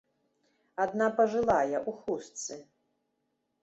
Адна пажылая, у хустцы.